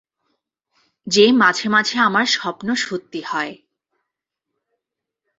যে মাঝে মাঝে আমার স্বপ্ন সত্যি হয়।